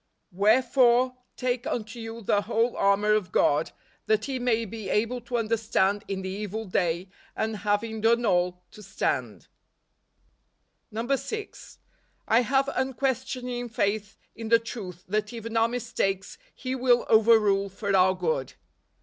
" Wherefore, take unto you the tchole armor of God, that ye may be able to withstand in the evil day, and having done all , to stand" NOVEMBER. 125 6. I have unquestioning faith in the truth that even our mistakes He will over¬ rule for our good.